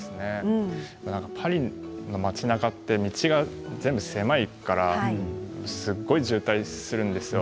パリの街なかで道が全部狭いからすごい渋滞するんですよ。